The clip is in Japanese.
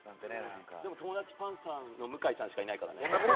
でも、友達がパンサーの向井さんしかいないからね。